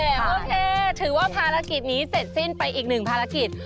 โอเคถือว่าภารกิจนี้เสร็จสิ้นไปอีกหนึ่งภารกิจ